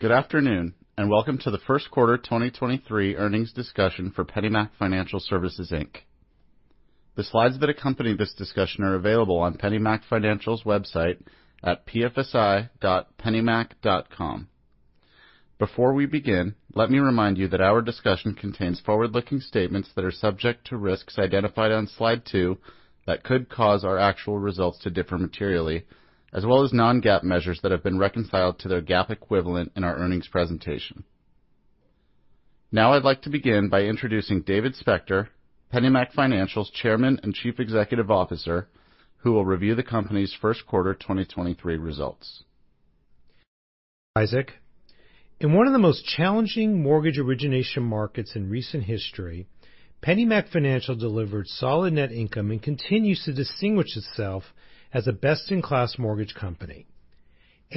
Good afternoon, welcome to the First Quarter 2023 Earnings Discussion for PennyMac Financial Services Inc. The slides that accompany this discussion are available on PennyMac Financial's website at pfsi.pennymac.com. Before we begin, let me remind you that our discussion contains forward-looking statements that are subject to risks identified on slide two that could cause our actual results to differ materially as well as non-GAAP measures that have been reconciled to their GAAP equivalent in our earnings presentation. I'd like to begin by introducing David Spector, PennyMac Financial's Chairman and Chief Executive Officer, who will review the company's first quarter 2023 results. Isaac. In one of the most challenging mortgage origination markets in recent history, PennyMac Financial delivered solid net income and continues to distinguish itself as a best-in-class mortgage company.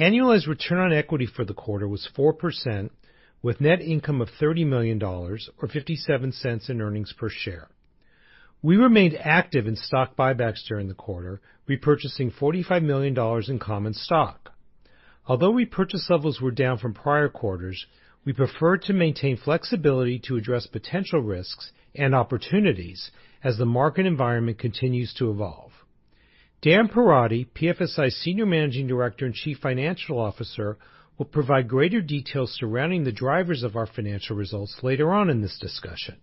Annualized return on equity for the quarter was 4% with net income of $30 million or $0.57 in earnings per share. We remained active in stock buybacks during the quarter, repurchasing $45 million in common stock. Repurchase levels were down from prior quarters, we preferred to maintain flexibility to address potential risks and opportunities as the market environment continues to evolve. Dan Perotti, PFSI's Senior Managing Director and Chief Financial Officer, will provide greater details surrounding the drivers of our financial results later on in this discussion.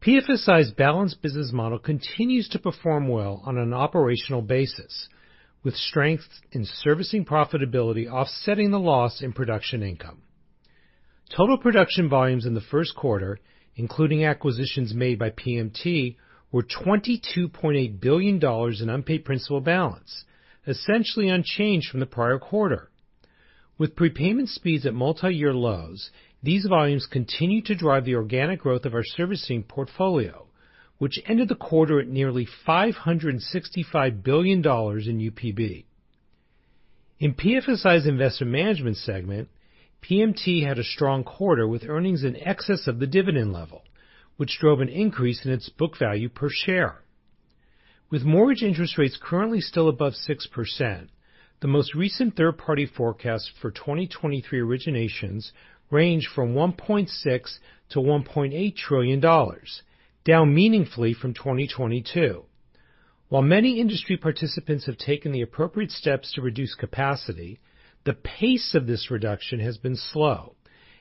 PFSI's balanced business model continues to perform well on an operational basis, with strengths in servicing profitability offsetting the loss in production income. Total production volumes in the first quarter, including acquisitions made by PMT, were $22.8 billion in unpaid principal balance, essentially unchanged from the prior quarter. With prepayment speeds at multi-year lows, these volumes continue to drive the organic growth of our servicing portfolio, which ended the quarter at nearly $565 billion in UPB. In PFSI's Investment Management segment, PMT had a strong quarter with earnings in excess of the dividend level, which drove an increase in its book value per share. With mortgage interest rates currently still above 6%, the most recent third-party forecast for 2023 originations range from $1.6 trillion-$1.8 trillion, down meaningfully from 2022. While many industry participants have taken the appropriate steps to reduce capacity, the pace of this reduction has been slow,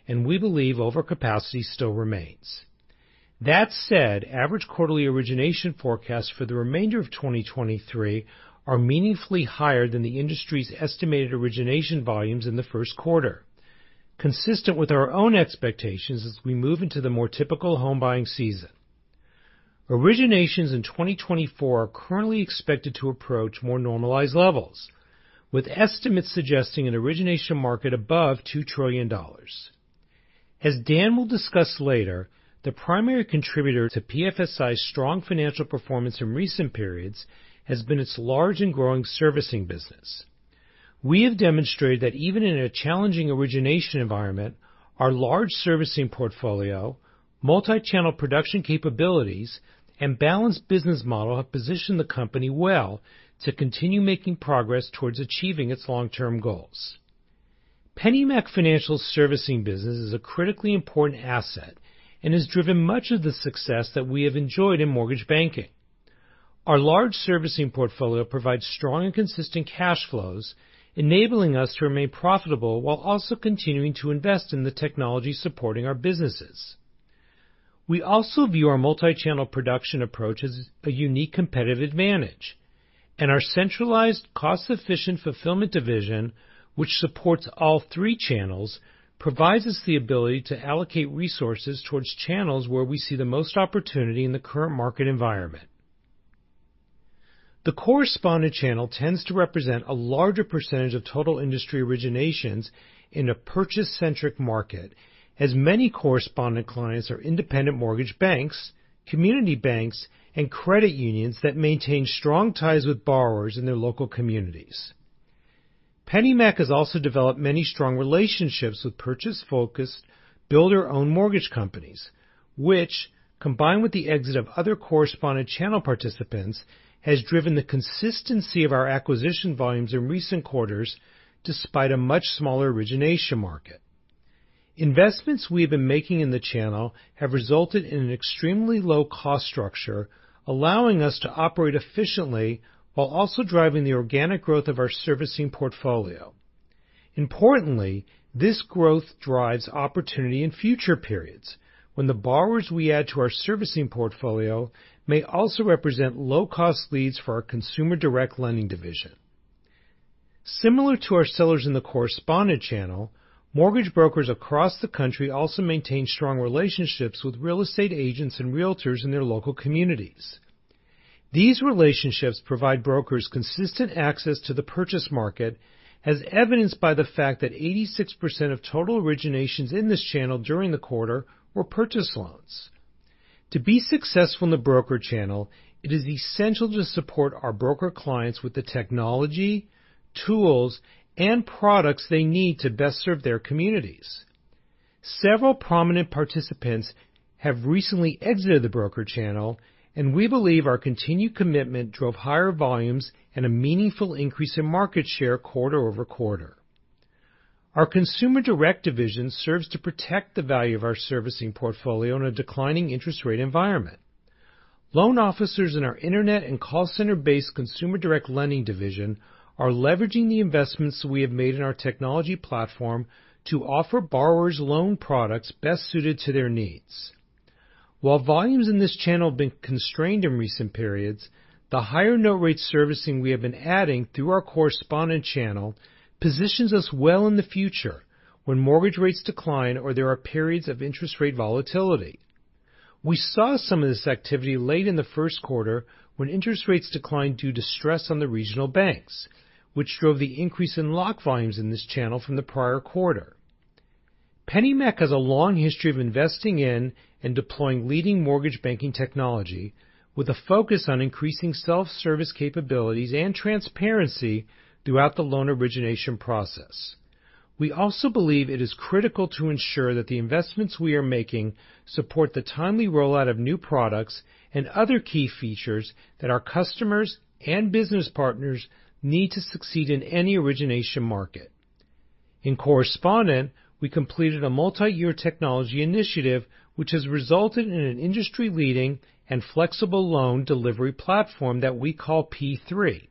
and we believe overcapacity still remains. That said, average quarterly origination forecasts for the remainder of 2023 are meaningfully higher than the industry's estimated origination volumes in the first quarter, consistent with our own expectations as we move into the more typical home buying season. Originations in 2024 are currently expected to approach more normalized levels, with estimates suggesting an origination market above $2 trillion. As Dan will discuss later, the primary contributor to PFSI's strong financial performance in recent periods has been its large and growing servicing business. We have demonstrated that even in a challenging origination environment, our large servicing portfolio, multi-channel production capabilities, and balanced business model have positioned the company well to continue making progress towards achieving its long-term goals. PennyMac Financial servicing business is a critically important asset and has driven much of the success that we have enjoyed in mortgage banking. Our large servicing portfolio provides strong and consistent cash flows, enabling us to remain profitable while also continuing to invest in the technology supporting our businesses. We also view our multi-channel production approach as a unique competitive advantage, and our centralized, cost-efficient fulfillment division, which supports all three channels, provides us the ability to allocate resources towards channels where we see the most opportunity in the current market environment. The correspondent channel tends to represent a larger percentage of total industry originations in a purchase-centric market, as many correspondent clients are independent mortgage banks, community banks, and credit unions that maintain strong ties with borrowers in their local communities. PennyMac has also developed many strong relationships with purchase-focused, builder-owned mortgage companies, which, combined with the exit of other correspondent channel participants, has driven the consistency of our acquisition volumes in recent quarters despite a much smaller origination market. Investments we have been making in the channel have resulted in an extremely low cost structure, allowing us to operate efficiently while also driving the organic growth of our servicing portfolio. Importantly, this growth drives opportunity in future periods when the borrowers we add to our servicing portfolio may also represent low-cost leads for Consumer Direct Lending division. Similar to our sellers in the correspondent channel, mortgage brokers across the country also maintain strong relationships with real estate agents and Realtors in their local communities. These relationships provide brokers consistent access to the purchase market, as evidenced by the fact that 86% of total originations in this channel during the quarter were purchase loans. To be successful in the broker channel, it is essential to support our broker clients with the technology, tools, and products they need to best serve their communities. Several prominent participants have recently exited the broker channel, we believe our continued commitment drove higher volumes and a meaningful increase in market share quarter-over-quarter. Our Consumer Direct division serves to protect the value of our servicing portfolio in a declining interest rate environment. Loan officers in our internet and call Consumer Direct Lending division are leveraging the investments we have made in our technology platform to offer borrowers loan products best suited to their needs. While volumes in this channel have been constrained in recent periods, the higher note rate servicing we have been adding through our correspondent channel positions us well in the future when mortgage rates decline or there are periods of interest rate volatility. We saw some of this activity late in the first quarter when interest rates declined due to stress on the regional banks, which drove the increase in lock volumes in this channel from the prior quarter. PennyMac has a long history of investing in and deploying leading mortgage banking technology with a focus on increasing self-service capabilities and transparency throughout the loan origination process. We also believe it is critical to ensure that the investments we are making support the timely rollout of new products and other key features that our customers and business partners need to succeed in any origination market. In Correspondent, we completed a multi-year technology initiative, which has resulted in an industry-leading and flexible loan delivery platform that we call P3.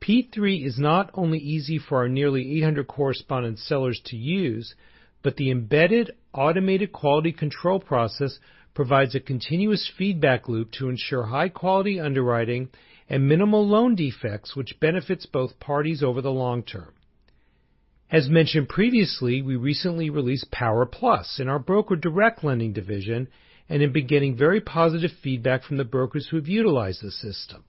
P3 is not only easy for our nearly 800 correspondent sellers to use, but the embedded automated quality control process provides a continuous feedback loop to ensure high-quality underwriting and minimal loan defects which benefits both parties over the long term. As mentioned previously, we recently released POWER+ in our broker direct lending division and have been getting very positive feedback from the brokers who have utilized the system.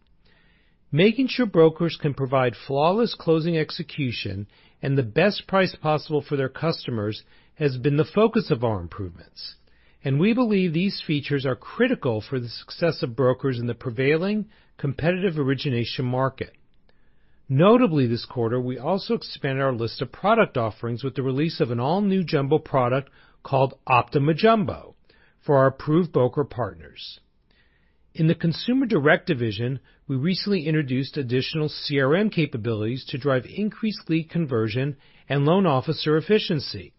Making sure brokers can provide flawless closing execution and the best price possible for their customers has been the focus of our improvements, and we believe these features are critical for the success of brokers in the prevailing competitive origination market. Notably this quarter, we also expanded our list of product offerings with the release of an all-new jumbo product called Optima Jumbo for our approved broker partners. In the Consumer Direct division, we recently introduced additional CRM capabilities to drive increased lead conversion and loan officer efficiency.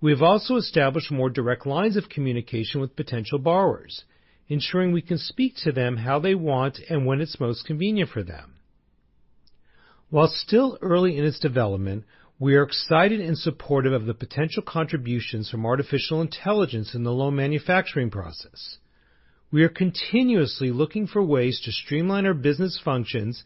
We have also established more direct lines of communication with potential borrowers, ensuring we can speak to them how they want and when it's most convenient for them. While still early in its development, we are excited and supportive of the potential contributions from artificial intelligence in the loan manufacturing process. We are continuously looking for ways to streamline our business functions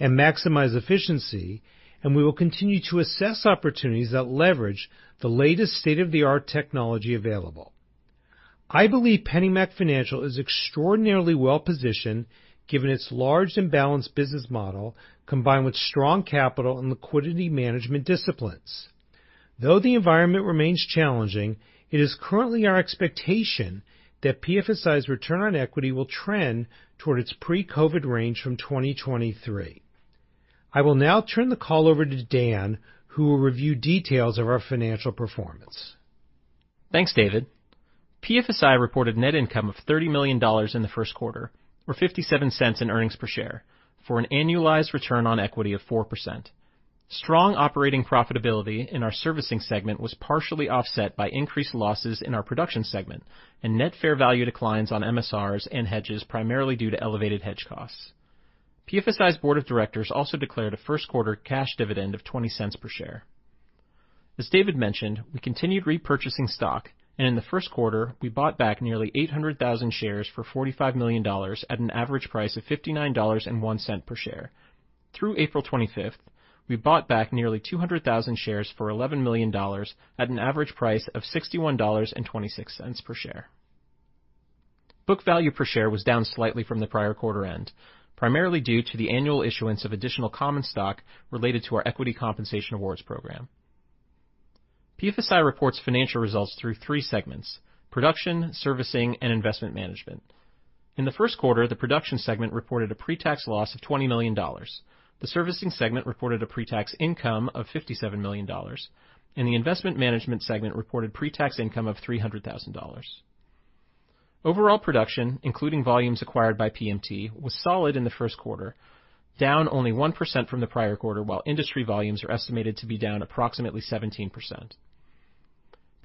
and maximize efficiency, and we will continue to assess opportunities that leverage the latest state-of-the-art technology available. I believe PennyMac Financial is extraordinarily well-positioned given its large and balanced business model, combined with strong capital and liquidity management disciplines. Though the environment remains challenging, it is currently our expectation that PFSI's return on equity will trend toward its pre-COVID range from 2023. I will now turn the call over to Dan, who will review details of our financial performance. Thanks, David. PFSI reported net income of $30 million in the first quarter, or $0.57 in earnings per share for an annualized return on equity of 4%. Strong operating profitability in our servicing segment was partially offset by increased losses in our production segment and net fair value declines on MSRs and hedges, primarily due to elevated hedge costs. PFSI's board of directors also declared a first quarter cash dividend of $0.20 per share. As David mentioned, we continued repurchasing stock, in the first quarter, we bought back nearly 800,000 shares for $45 million at an average price of $59.01 per share. Through April 25th, we bought back nearly 200,000 shares for $11 million at an average price of $61.26 per share. Book value per share was down slightly from the prior quarter end, primarily due to the annual issuance of additional common stock related to our equity compensation awards program. PFSI reports financial results through three segments: Production, Servicing, and Investment Management. In the first quarter, the Production segment reported a pre-tax loss of $20 million. The Servicing segment reported a pre-tax income of $57 million, and the Investment Management segment reported pre-tax income of $300,000. Overall production, including volumes acquired by PMT, was solid in the first quarter, down only 1% from the prior quarter, while industry volumes are estimated to be down approximately 17%.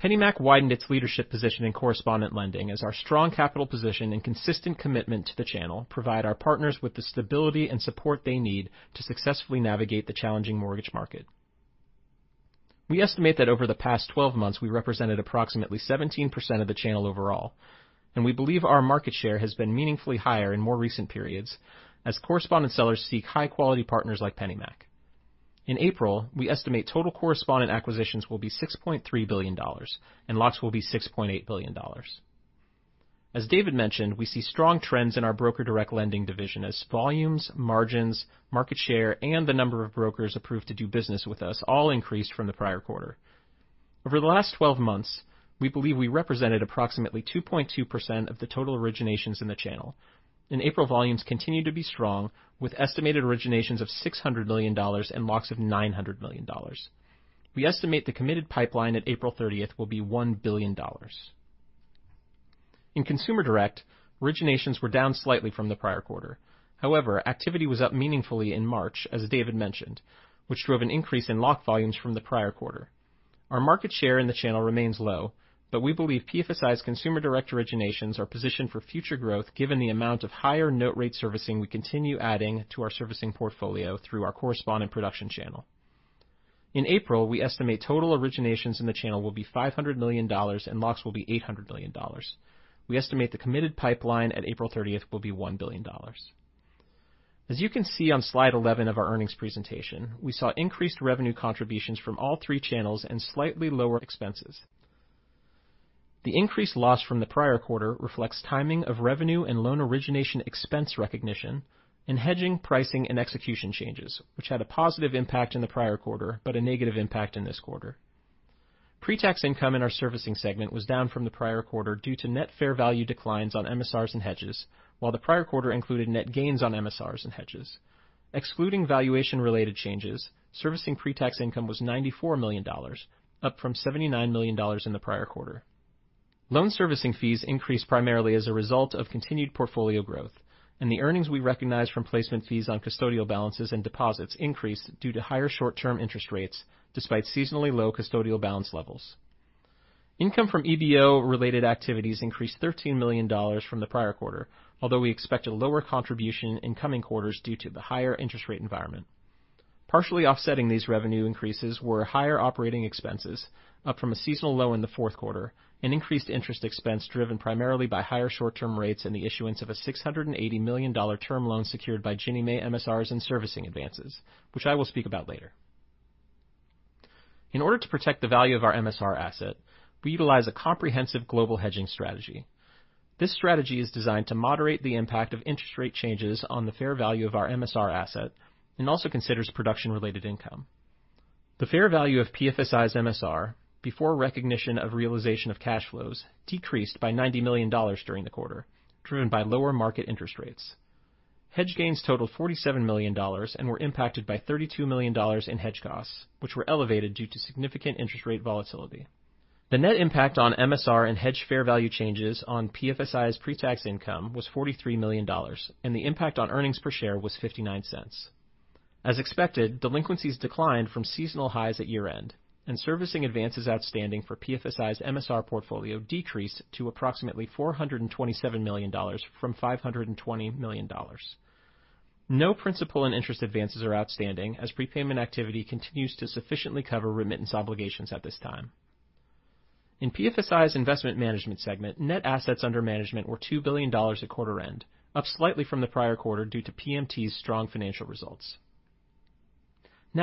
PennyMac widened its leadership position in correspondent lending as our strong capital position and consistent commitment to the channel provide our partners with the stability and support they need to successfully navigate the challenging mortgage market. We estimate that over the past 12 months, we represented approximately 17% of the channel overall. We believe our market share has been meaningfully higher in more recent periods as correspondent sellers seek high-quality partners like PennyMac. In April, we estimate total correspondent acquisitions will be $6.3 billion. Locks will be $6.8 billion. As David mentioned, we see strong trends in our broker direct lending division as volumes, margins, market share, and the number of brokers approved to do business with us all increased from the prior quarter. Over the last 12 months, we believe we represented approximately 2.2% of the total originations in the channel. In April, volumes continued to be strong with estimated originations of $600 million. Locks of $900 million. We estimate the committed pipeline at April 30th will be $1 billion. In Consumer Direct, originations were down slightly from the prior quarter. Activity was up meaningfully in March, as David mentioned, which drove an increase in lock volumes from the prior quarter. Our market share in the channel remains low, we believe PFSI's Consumer Direct originations are positioned for future growth, given the amount of higher note rate servicing we continue adding to our servicing portfolio through our correspondent production channel. In April, we estimate total originations in the channel will be $500 million and locks will be $800 million. We estimate the committed pipeline at April 30th will be $1 billion. As you can see on slide 11 of our earnings presentation, we saw increased revenue contributions from all three channels and slightly lower expenses. The increased loss from the prior quarter reflects timing of revenue and loan origination expense recognition and hedging pricing and execution changes, which had a positive impact in the prior quarter, but a negative impact in this quarter. Pre-tax income in our servicing segment was down from the prior quarter due to net fair value declines on MSRs and hedges, while the prior quarter included net gains on MSRs and hedges. Excluding valuation-related changes, servicing pre-tax income was $94 million, up from $79 million in the prior quarter. The earnings we recognized from placement fees on custodial balances and deposits increased due to higher short-term interest rates despite seasonally low custodial balance levels. Income from EDO-related activities increased $13 million from the prior quarter, although we expect a lower contribution in coming quarters due to the higher interest rate environment. Partially offsetting these revenue increases were higher operating expenses, up from a seasonal low in the fourth quarter, and increased interest expense driven primarily by higher short-term rates and the issuance of a $680 million term loan secured by Ginnie Mae MSRs and servicing advances, which I will speak about later. In order to protect the value of our MSR asset, we utilize a comprehensive global hedging strategy. This strategy is designed to moderate the impact of interest rate changes on the fair value of our MSR asset and also considers production-related income. The fair value of PFSI's MSR, before recognition of realization of cash flows, decreased by $90 million during the quarter, driven by lower market interest rates. Hedge gains totaled $47 million and were impacted by $32 million in hedge costs, which were elevated due to significant interest rate volatility. The net impact on MSR and hedge fair value changes on PFSI's pre-tax income was $43 million, and the impact on earnings per share was $0.59. As expected, delinquencies declined from seasonal highs at year-end, and servicing advances outstanding for PFSI's MSR portfolio decreased to approximately $427 million from $520 million. No principal and interest advances are outstanding as prepayment activity continues to sufficiently cover remittance obligations at this time. In PFSI's Investment Management segment, net assets under management were $2 billion at quarter end, up slightly from the prior quarter due to PMT's strong financial results.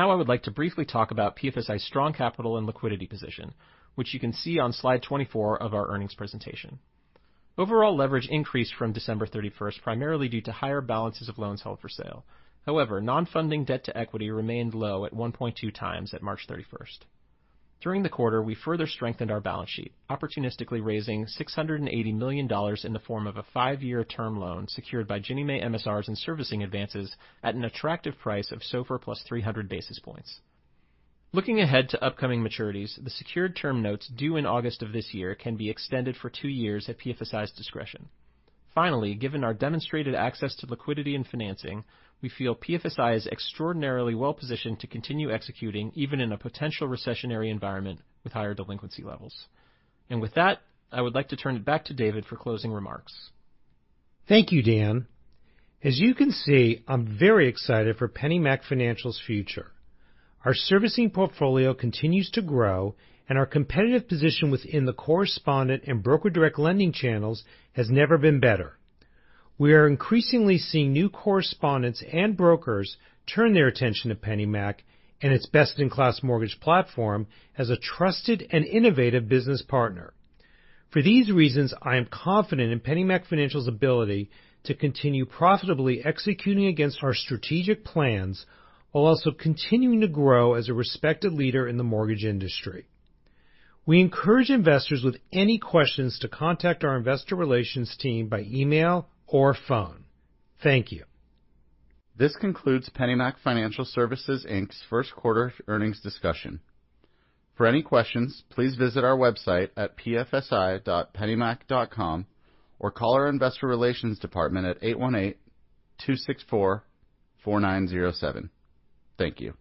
I would like to briefly talk about PFSI's strong capital and liquidity position, which you can see on slide 24 of our earnings presentation. Overall leverage increased from December 31st, primarily due to higher balances of loans held for sale. Non-funding debt to equity remained low at 1.2x at March 31st. During the quarter, we further strengthened our balance sheet, opportunistically raising $680 million in the form of a five-year term loan secured by Ginnie Mae MSRs and servicing advances at an attractive price of SOFR plus 300 basis points. Looking ahead to upcoming maturities, the secured term notes due in August of this year can be extended for two years at PFSI's discretion. Finally, given our demonstrated access to liquidity and financing, we feel PFSI is extraordinarily well-positioned to continue executing even in a potential recessionary environment with higher delinquency levels. With that, I would like to turn it back to David for closing remarks. Thank you, Dan. As you can see, I'm very excited for PennyMac Financial's future. Our servicing portfolio continues to grow and our competitive position within the correspondent and broker-direct lending channels has never been better. We are increasingly seeing new correspondents and brokers turn their attention to PennyMac and its best-in-class mortgage platform as a trusted and innovative business partner. For these reasons, I am confident in PennyMac Financial's ability to continue profitably executing against our strategic plans while also continuing to grow as a respected leader in the mortgage industry. We encourage investors with any questions to contact our investor relations team by email or phone. Thank you. This concludes PennyMac Financial Services Inc's First Quarter Earnings Discussion. For any questions, please visit our website at pfsi.pennymac.com, or call our Investor Relations department at 818-264-4907. Thank you.